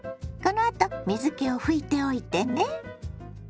このあと水けを拭いておいてね。